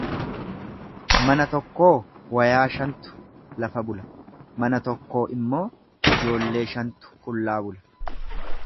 Mana tokkoo wayaa shantu lafa bula, mana tokkoo immoo ijoollee shantu qullaa bula.